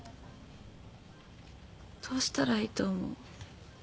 どうしたらいいと思う？